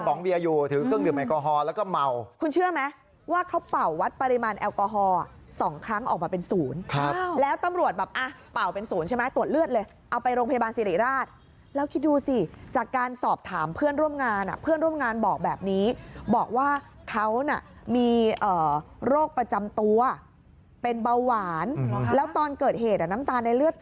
ของเบียร์อยู่ถือเครื่องดื่มแอลกอฮอลแล้วก็เมาคุณเชื่อไหมว่าเขาเป่าวัดปริมาณแอลกอฮอล์สองครั้งออกมาเป็นศูนย์ครับแล้วตำรวจแบบอ่ะเป่าเป็นศูนย์ใช่ไหมตรวจเลือดเลยเอาไปโรงพยาบาลสิริราชแล้วคิดดูสิจากการสอบถามเพื่อนร่วมงานอ่ะเพื่อนร่วมงานบอกแบบนี้บอกว่าเขาน่ะมีโรคประจำตัวเป็นเบาหวานแล้วตอนเกิดเหตุอ่ะน้ำตาลในเลือด